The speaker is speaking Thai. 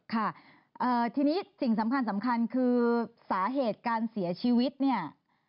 ค่ะทีนี้สิ่งสำคัญสำคัญคือสาเหตุการเสียชีวิตเนี่ย